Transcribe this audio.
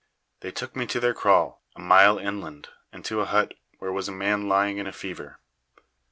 They took me to their kraal, a mile inland, and to a hut where was a man lying in a fever.